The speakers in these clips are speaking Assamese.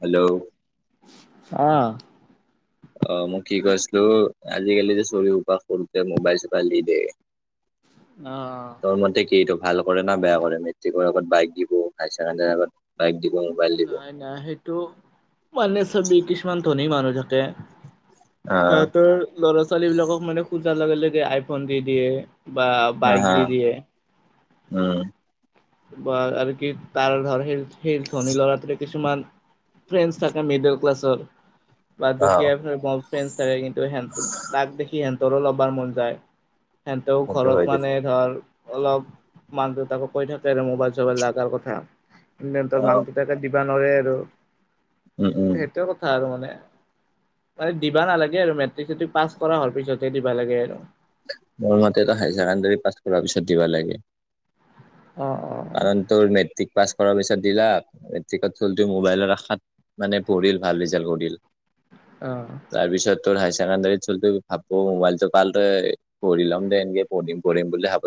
হেল্ল'। অ। অ মই কি কৰিছিলো আজিকালি যে চৰি উপ সৰুতে মোবাইল চোবাইল দি দিয়। অ', তৰ মতে কি এইটো। ভাল কৰে না বেয়া কৰে, মেট্ৰিকৰ আগত বাইক দিব হায়াৰ ছেকেণ্ডাৰীৰ আগত। বাইক দিব মোবাইল দিব নাই নাই সেইটো মানে চব কিছুমান ধনি মানুহ থাকে। আহ সিহতৰ ল'ৰা ছোৱালী বিলাকক মানে খোজাৰ লগে লগে আইফোন দি দিয়ে। বা হা বাইক হা দি দে। উম বা আৰু কি তাৰ ধৰ সেই সেই ধনী লৰাটৰে কিছুমান। ফ্ৰেণ্ডছ থাককা মিডল ক্লছৰ। বা অ দুখীয়া ফ্ৰেণ্ড থাকে কিন্তু সিহত তাক দেখি সিহঁতৰো ল'বাৰ মন যায়। সেহতেও সেইটো ঘৰত হয় মানে দেচোন ধৰ অলপ মান দেউতাকো ক থাকে। মোবাইল চবাইল লগাৰ কথা, ইটাৰনেটৰ অ মানকেইটাকে দিবা নোৱাৰে আৰু। উম উম সেইটোয়ে কথা আৰু মানে। মান দিবা নালাগে আৰু মেট্ৰিক চ পাছ কৰা হোৱাৰ পিছতে দিবা লাগে আৰু। মোৰ মতেতো হায়াৰ ছেকেণ্ডাৰী পাছ কৰাৰ পিছত দিবা লাগে। অ। কাৰণ তোৰ মেট্ৰিক পাছ কৰাৰ পিছত দিলা, মেট্ৰিকত হল ত মোবাইলৰ আশাত মানে পঢ়। ভ ৰিজ্ কৰিল, অ', তাৰপিছত ত। ডত চল ভাবো মোবাইলটো কাল, পঢ়ি লম দে এনেকে পঢিম পঢ়ম বুলি ভাবো।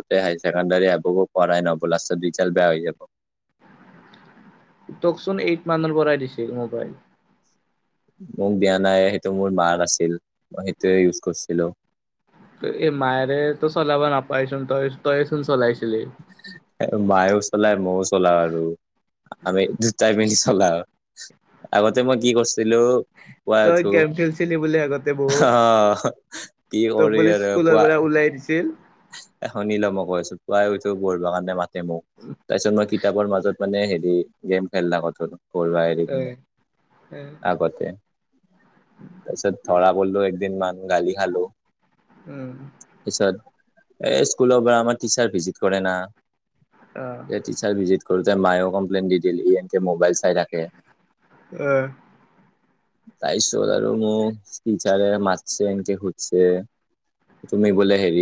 স আহ প়াই নব লাৰিজাল্ট বেয়া হৈ যাব। তকচোন এইট মানৰ পৰাই দিছে মোবাইল। মোক দিয়া নাই সেইটো মোৰ মাৰ আছিল, মই সেইটোৱে ইউজ কৰিছিলোঁ। এ মাৰে ত চলাহাব নপাইছ তই তই শু চলহাইছ। মায়েও চলায় মইও চলাওঁ আৰু। আমি দুটাই পিন্ধি চলাওঁ, আগতে মই কি কৰিছিলো। পুৱাই তই উঠো গম খেলছিলি বুলি আগতে বহত, অ কি তোক বুলি স্কুলৰ পৰা ওলাই। [unintelligible] এখনি ল'ম কৈছো প্ৰায় পঢ়িব কাৰণে মাতে মোক তাৰপিছত মই কিতাপৰ মাজত, মানে হেৰি গেম খেলা কথাটো পঢ়া এৰি উম, কিনে অ', আগতে, তাৰপিছত ধৰা পৰিলো একদিনমান গালি খালো। উম। পিছত এ স্কুলৰ পৰা আমাৰ টিচাৰ ভিজিট কৰে না টিচাৰ ভিজিট কৰোতে মায়েও কমপ্লেইন দি দিলে ই এনকে মোবাইল চাই থাকে, তাৰপিছত আৰু মোক টিচাৰে মাৰছে এনকে সুধিছে তুমি বোলে হেৰি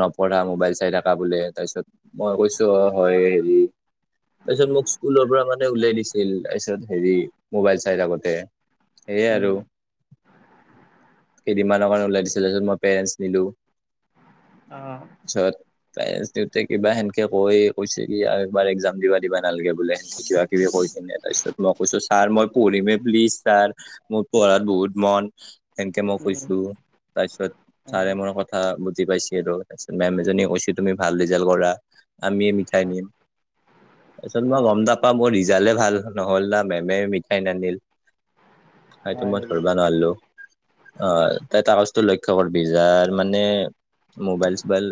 নপঢ়া মোবাইল চাই থাকা বোলে, তাৰপিছত মই কৈছো হয় হেৰি তাৰপিছত মোক স্কুলৰ পৰা মানে উলাই দিছিল তাৰপিছত হেৰি মোবাইল চাই থাকোঁতে সেয়াই আৰু। কেইদিনমানৰ কাৰণে ওলাই দিছিল তাৰপিছত মই পেৰেণ্টছ নিলোঁ। অঁ। দেউতাই কিবা সেনকে কৈ কৈছে কি এবাৰ এক্জাম দিবা দিবা নালাগে বোলে সেনকে কিবা কিবি কৈছে, তাৰপিছত মই কৈছো ছাৰ মই পঢ়িমে প্লিজ ছাৰ মোৰ পঢ়াত বহুত মন সেনকে মই উম, কৈছো তাৰ পিছত ছাৰে উম, মোৰ কথা বুজি পাইছে আৰু তাৰপিছত মেম এজনীয়ে কৈছে তুমি ভাল ৰিজাল্ট কৰা আমিয়ে মিঠাই নিম তাৰপিছত মই অ', গম নাপাওঁ মই ৰি জাল্টে ভাল নহ'ল না মেমে মিঠাই নানিল, সেটো হয় মই নেকি? ধৰিবা নোৱাৰিলো আহ তাই কাগজটো ল খবৰ বিজাৰ মানে মবাইল চোবাইল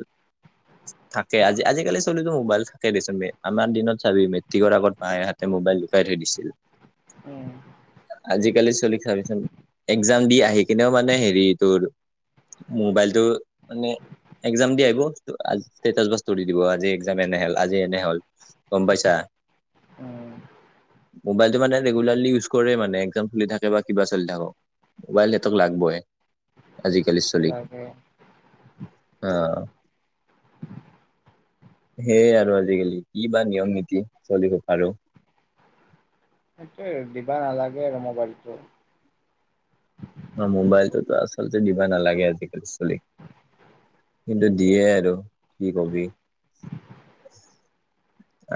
থাকে আজি আজিকালি চলিতো মোবাইল থাকে দেচোন আমাৰ দিনত চাবি মেট্ৰিকৰ আগত মায় হঁতে, মোবাইল লুকাই থৈ দিছিল উম, আজিকালি চলি ক চাবি চোন এক্জাম দি আহি কিনেও মানে হেৰি তোৰ মোবাইলটো মানে এক্জাম দি আহিব ষ্টেটাচ বস্তু দি দিব আজি এক্জাম এনে হ'ল আজি এনে হ'ল গম পাইছা? অ। মোবাইলটো মানে ৰেগুলাৰলি ইউজ কৰে মানে এক্জাম খুলি থাকে বা কিবা চলি থাকক। মোবাইল সিহঁতক লাগবই আজিকালি চলি লাগে ক। আহঁ। সেইয়ে আৰু আজিকালি কি বা নিয়ম নীতি চলিব পাৰো। [inaudible] সেইটোয়ে দিবা নালাগে আৰু মোবাইলটো। অ মোবাইলটো ত আচলতে দিবা নালাগে আজিকালি চলিক। কিন্তু দিয়ে আৰু কি কবি।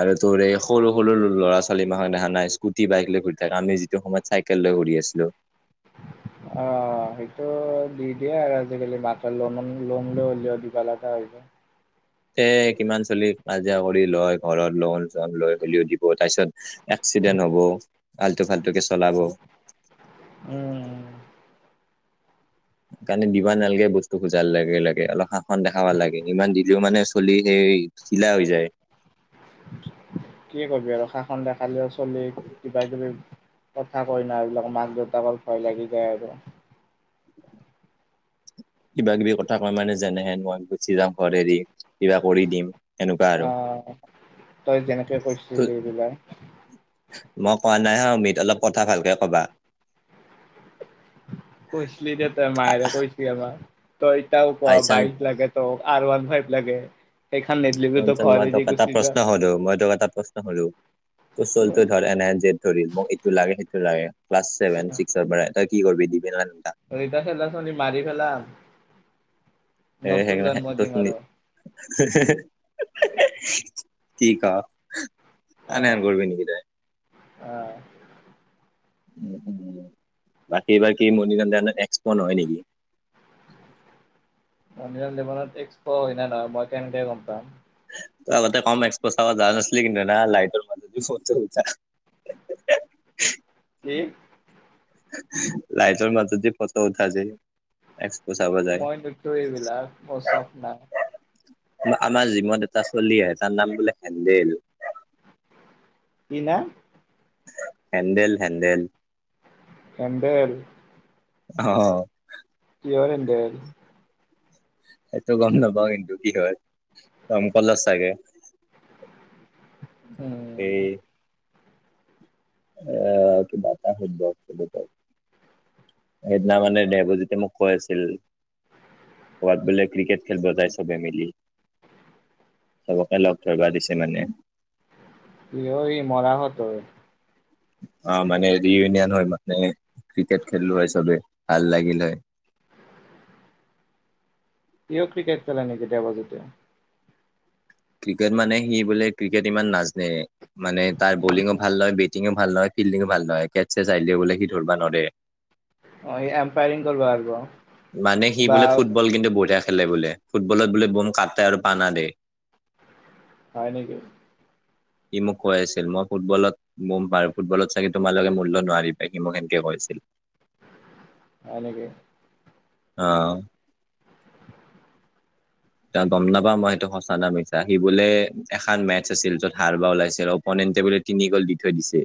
আৰু তোৰ এই সৰু সৰু ল'ৰা ছোৱালী মাহক দেখা নাই স্কুটি বাইক লৈ ঘূৰি থাকে আমি যিটো সময়ত চাইকেল লৈ ঘূৰি কে আছিলো। অ সেইটো দি দিয়ে আৰু আজিকালি মাকৰ লোন লৈ হলেও দিব লাগা হৈ যায়। তে কিমান চলি কাজিয়া কৰি লয় ঘৰত লোন চোন লৈ হেলিও দিব, তাৰপিছত এক্সি এক্সদেন্ত হ'ব আল্টু ফাল্টুকে চলাব। উম। সেইকাৰণে দিবা নালাগে বস্তু খোজাৰ লগে লাগে অলপ শাসন দেখাবা লাগে ইমান দিলেও মানে চলি সেই এই চিলা হৈ যায়। কি কৰিবি আৰু শাসন দেখালেও চলি কিবা কিবি কথা কৈ না, এইবিলাক মাক দেউতাকক ভয় লাগি যায় আৰু। কিবা কিবি কথা কয় মানে যেনেহেন মই গুচি যাওঁ ঘৰ এৰি কিবা কৰি দিম সেনেকুৱা অ আৰু। [inaudible] তই যেনেকে ত কৈছিলি এইবিলাক মই কোৱা নাই হাঁ মিদুল অলপ কথা ভালকে কবা। কৈছিলি যে তই মায়েৰে কৈছিলি আমাৰ তই এতিয়া বাই চান্স বাইক লাগে ত আৰু ফাইভ লাগে সেইখন নিদিলেতো তই শচ ঘৰ মই ত এৰি এটা গুচি যা প্ৰশ্ন হো মই তোক এটা প্ৰশ্ন হো [unintelligible] ত চলটো ধৰ এনে যে ধৰিল মোক এইটো লাগে সেইটো লাগে ক্লা চছেভেন ছিক্সৰ পৰা তই কি কৰি কৰি দি কে টান ঐ খেলিল চনি মাৰি মাৰিপেলাম সে সেনেকে কি ক অ আনেন কৰবি নেকি তই [unintelligible] অ বাকীবাৰএক্সপ নহয় নেকি [unintelligible] জনত এক্সপ হয় ন নহয় মই কেনেকে গম পাম আগতে কম এক্সপ' চাব যা নছিল কিন্তু না লাইটৰ মাজত ফ [unintelligible] [unintelligible] উম লাইটৰ মাজত যে ফটো উঠা যে এক্সপ চাব যায় মই নুঠো এইবিলাক মোৰ চখ নাই আমাৰ জীৱত এটা চলি আহ তাৰ নাম বোলে হেণ্ন্দেল কি নাম হেন্দেল হেন্দেল হেন্দেল অ কিহৰ হেন্দেল সেইটো গম নাপাওঁ কিন্তু কি হয় গম দকমকল চাগে উম, সেই আহ কি বাৰ্তা হ ব ত সেইদিনা মানে দেবজিতে মোক কৈ আছিল সোৱাত বোলে ক্ৰিকেট খেল বজাই চবে মিলি চবকে লগ ধৰিব দিছে মানে কি কি স মৰা হতৰ অ মানে ৰিয়উনিয়ন হয় মানে ক্ৰিকেট খেললো হয় চবেই ভাল লাগিল হয়। [unintelligible] হিও ক্ৰিকেট খেলা নেকি কেতিয়াবা কেতিয়াবা ক্ৰিকেট মানে সি বোলে ক্ৰিকেট ইমান নাজানে মানে তাৰ বলিঙো ভাল লয় টো ভালহয় ফিল্ডিং ভাল নহ কেট চছে যাইলে বলে সি ধৰিবা নোৱাৰে অ', সি এম্পায়াৰিং কৰিব পাৰিব মানে সি বা বোলে ফুটবল কিন্তু বঢ়িয়া খেলে বোলে ফুটবলত বোলে বম কাটে আৰু পানা দিয় হয় নেকি? উ সি মোক কৈ আছিল মই ফুটবলত গম পাৰো ফুটবলত চাগে তোমালোকে মূল্য নোৱাৰি পাই সি মোক এেনকে কৈছিল [unintelligible] হয় নেকি? আহ এ গম নাপাওঁ মই সেইটো সঁচ সচা নে মিছা বোলে এখন মেচ আছিল য'ত হাৰ বা ওলাইছিল অপনেণ্ট বোলে তিনি গ'ল দি থৈ দিছে।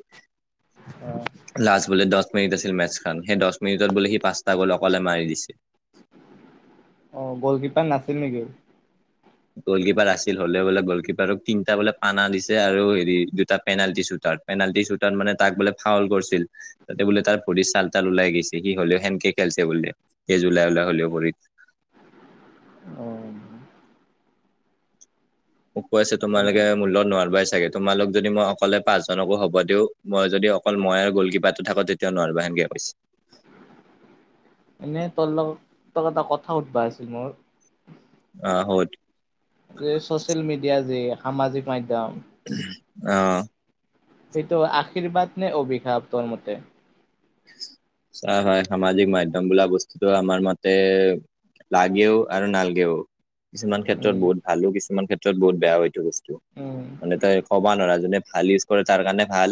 অ', লাষ্ট বোলে দশ মিনিটত মেটছখন সেই দহ মিনিটত বুলি সি পাঁচটা গ'ল অকলে মাৰি দিছিল অ গ'লকিপাৰ নাছিল নেকি? গলকিপাৰ আছিল হ'লে বোলে গলকিপাৰক তিনটা বোলে পানা দিছে আৰু হেৰি দুটা পেনালন্টি চুট পেনাল্টী চুটাত মানে তাক বোলে ফাউল কৰিছিল তাতে বোলে তাৰ ভৰিত চাল তাল ওলাই গৈছে সি হলে খেলছে বুলি এই জলাই উওলাই কৰি [inaudible] মোক কৈ আছে এনে তোমালোকে মোৰ লগত নোৱাৰিবা চাগে তোমালোক যদি মই অকলে পাঁচজনকো হ'ব দি মই যদি অকল মই আৰু গ'ল কিবাটো থাকো তেতিয়াও নোৱাৰিবা সেনকে কৈছে এনে তোৰ লগত তোক এটা কথা সুধবা আছিল মোৰ অ শুদ এই চচিয়েল মিডিয়া যে সামাজিক মাধ্যম আহ সেইটো আশীৰ্বাদ নে অভিশাপ তোৰ মতে হয় হয় সামাজিক মাধ্যম বোলা বস্তুতটো আমাৰ মতে লাগেও আৰু নালাগেও কিছুমান ক্ষেত্ৰত উম, বহুত ভালো কিছুমান ক্ষেত্ৰত বহুত বেয়া হয় এইটো বস্তু উম, মানে তই কবা নোৱাৰা যোনে ভাল ইউজ কৰে তাৰ কাৰণে ভাল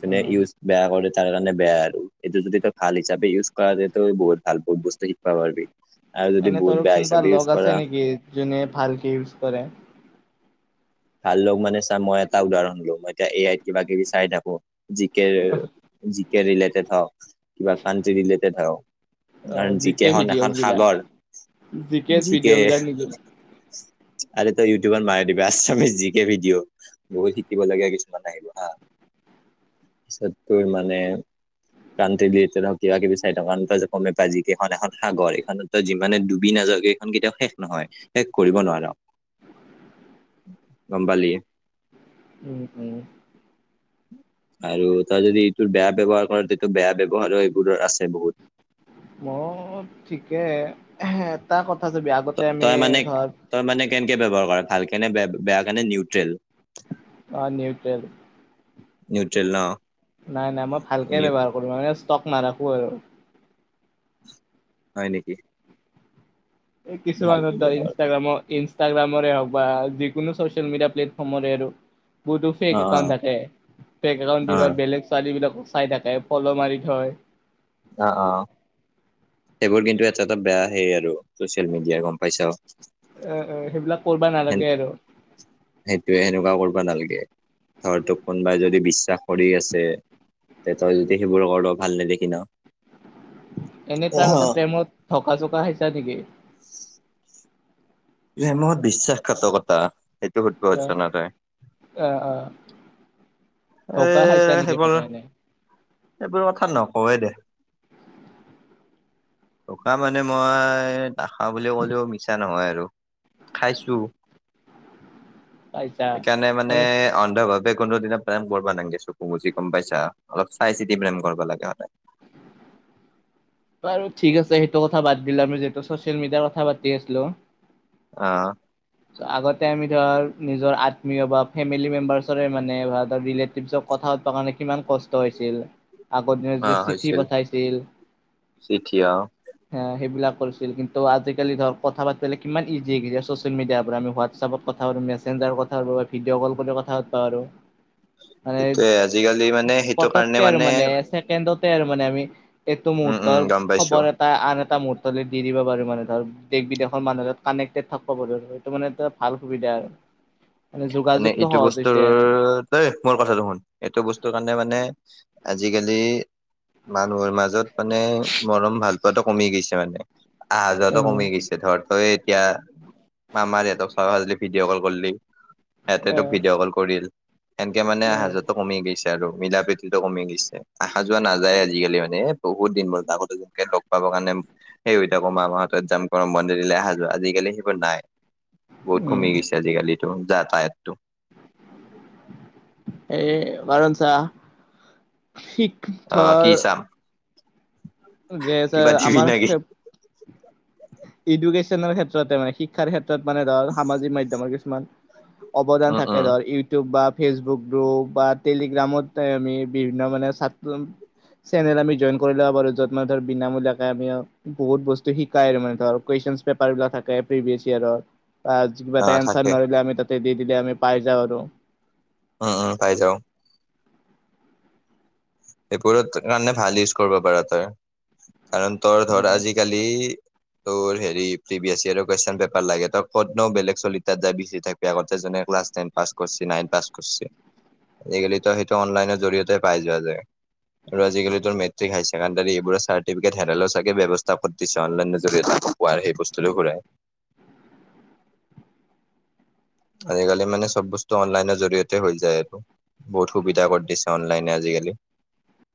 যোনে উম, ইউজ বেয়া কৰে তাৰ কাৰণে বেয়া আৰু এইটো যদি তই খাল হিচাপে ইউজ কৰা যায় ত বহুত ভাল ব বস্তু শিক্ষা পাৰিব এনে ধৰ কোনোবা লগ আছে নেকি যোনে ভালকে ইউজ কৰে। ভাল লগ মানে চা মই এটা উদাহৰণ হলো মই এতিয়া এ আইত কিবা কিবি চাই থাকো G K G K related হওক কিবা কানটি ৰিলেটেড হওক অ', জিকে জিকেখনন ভিডিঅ'জ এখন বিলাক? সাগৰ জিকে জি কে ভিডিঅ' বিলাক নেকি? আ ব মাৰে দিবি আছামিজ জি কে ভিডিঅ' বহুত শিকিবলীয়া কিছুমান আহিব হা তাৰপিছত তোৰ মানে কান ডুবি কিবা কিবি চাই থকা সেইটো যে গম পাই যে কেইখন এখন সাগৰ এইখনত যিমান ডুবি না খন কেতিয়াও শেষ নহয় শেষ কৰিব নোৱাৰা। গম পালি উম, উম, আৰু তাৰ যদি এইটোৰ বেয়া ব্যৱহাৰ কৰে তেতিয়া বেয়া ব্যৱহাৰো এইবোৰো আছে বহুত মই ঠিকে এটা কথা চাবি আগতে আমি তই মানে ধৰ তই মানে কেনেকে ব্যবহাৰ কৰে ভাল কেনে বেয়া কেনে নে নিউট্ৰেল। অ নিউট্ৰেল নিউট্ৰেল ন নাই নাই মই ভালকে ব্যৱহাৰ কৰো মানে ষ্টক নাৰাখো আৰু হয় নেকি? এই ভালকে কিছুমানত ধৰ ব্যৱহাৰ ইনষ্টাগ্ৰামত ইনষ্টাগ্ৰামৰে হওক বা যিকোনো চচিয়েল মিডিয়া প্লেটফৰ্মৰে আৰু বহুতো অ ফেক একাউন্ট অ থাকে ফেক একাউট দি ৰহ বেলেগ -ছোৱালী বিলাকক চাই থাকে ফল' মাৰি থয়। সেইবোৰ কিন্তু এটা -এটা বেয়া হেই আৰু চ ছচিয়েল মিডিয়াই গম পাইছা। এ সেইবিলাক কৰিবা নালাগে আৰু সেইটোয়ে সেনেকুৱা কৰব বা নালগে ধৰ তোক কোনোবাই যদি বিশ্বাস কৰি আছে তে তই যদি সেইবোৰ কৰ ভাল নেদেখি ন'। এনেই তাৰ এতে প্ৰেমত ধকা -চকা খাইছা নেকি? প্ৰেমত বিশ্বাসঘাতকতা সেইটো বহুত অ -বহুত জনা তই। অ অ ধকা খাইছা এ' নেকি সেইবোৰ, মানে এনে এইবোৰ কথা নকয়ে দে। ধকা মানে মই নাখাওঁ বুলি ক'লেও মিছা নহয় আৰু খাইছো খাইছা সেইকাৰণে মানে অন্ধভাৱ এ' কোনো দিনা প্ৰেম কৰিব নাগে চকু মুজি গম পাইছা অলপ চাই -চিতি প্ৰেম কৰব লাগে সদাই [inaudible] বাৰু ঠিক আছে সেইটো কথা বাদ দিলা আমি যিহেতু চচিয়েল মিডিয়াৰ কথা পাতি আছলো আহ', আগতে আমি ধৰ নিজৰ আত্মীয় বা ফেমিলি মেম্বাৰ্চৰে মানে বা এটা ৰিলেটিভছক কথা কাৰণে কিমান কষ্ট হৈছিল, আগৰ দিনত অ যে চিঠি হৈছিল পঠাইছিল চিঠি অহ। সেইবিলাক অলছিল কিন্তু, আজিকালি ধৰ কথা পাতিলে কিমান ইজি এইকেইটা ছচিয়েল মিডিয়াৰ পৰা আমি হোৱাটছআপত কথা পাতি মেছেঞ্জাৰ কথাবৈ ভিডিঅ' কল কৰি কথা পাতবা পাৰোঁ। মানে সেইটোয়ে আজিকালি মানে সেইটো কাৰণে পতককে আৰু মানে ছেকেণ্ডতে আৰু মানে আমি এইটো উম উম মুহৰ্তৰ গম পাইছো খবৰ এটা আন এটা এটা মুহূৰ্তলৈ দি দিব পাৰো মানে ধৰ দেশ- বিদেশৰ মানুহৰ লগত কানেক্টেড থাকব পাৰোঁ আৰু এইটো মানে এটা ভাল সুবিধা আৰু। [inaudible] মানে যোগাযোগটো এইটো সহজ বস্তুৰ, হৈছে আৰু দেই মোৰ কথাটো শুন এইটো বস্তুৰ কাৰণে মানে আজিকালি মানুহৰ মাজত মানে মৰম ভাল পোৱাটো কমি গৈছি মানে আহা যোৱাতু অ', কমি গৈছি ধৰ তই এতিয়া মামাৰ সিহঁতক চাৱা যদি ভিডিঅ' কল কৰিলি সিহঁতে তোক ভিডিঅ' কল কৰিল। এনকে মানে আহা উম -যোৱাটো কমি গৈছি। মিলা-প্ৰীতিটো কমি গৈছে আহা-যোৱা নাযায় আজিকালি মানে বহুত দিন বোৰ আগতে যেনকে লগ পাব কাৰণে সেই হৈ থাকো মামাহঁতত যাম কবাত মন্দিৰলে আহা, - যোৱা আজিকালি সেইবোৰ নাই। বহুত কমি গৈছে আজিকালি এইটো যাতায়াতটো। এ' বাৰো সুঞ্চা শিক আহ কি ধৰ চাম যে, কিবা [unintelligible] দিবি আমাৰ নেকি এডুকেশ্যনৰ ক্ষেত্ৰতে মানে শিক্ষাৰ ক্ষেত্ৰত মানে ধৰ, সামাজিক মাধ্যমৰ কিছুমান অৱদান উম থাকে উম ধৰ ইউটিউব বা ফেচবুক গ্ৰুপ বা টেলিগ্ৰামত আমি বিভিন্ন মানে ছাত্ৰ চেনেল আমি জইন কৰি লব বাৰু য'ত মানে ধৰ বিনামূলীয়াকে আমিয় বহুত বস্তু শিকাই আৰু মানে ধৰ কুৱেশন পেপাৰ বিলাক থাকে প্ৰিভিয়াছ ইয়েৰ ত' আজি কিবা অ এটা এনঞ্চাৰ থাকে নোৱাৰিলে আমি তাতে দি দিলে আমি পাই যাওঁ আৰু অহ - অহ পাই যাওঁ। সেইবোৰত কাৰণে ভাল ইউজ কৰব পাৰা তই কাৰণ, তোৰ ধৰ আজিকালি তোৰ হেৰি প্ৰি বি এছি আৰু কুৱেশন পেপাৰ লাগে। তই কতনো বেলেগ চলিৰ তাত যাবি থাকবি আগত চাচোন নে ক্লাছ টেন পাছ কৰচি, নাইন পাছ কৰিচি আজি কালিটো সেইটো অনলাইনৰ জৰিয়তে পাই যোৱা যায়। [inaudible] আৰু আজিকালি ত মেটিক হাই ছেকেণ্ডাৰী এইবোৰৰ চাৰ্টিফিকেট [unintelligible] ব্যৱস্থা ওপৰত দিছে অনলাই যোগেদি। বাৰ সেই বস্তুটো ঘূৰাই আজিকালি মানে চব বস্তু অনলাইনৰ জৰিয়তে হৈ যায় আৰু। বহুত সুবিধা কৰি দিছে অনলাইনে আজিকালি।